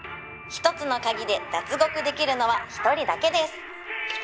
「１つの鍵で脱獄できるのは１人だけです」